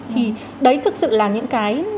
thì đấy thực sự là những cái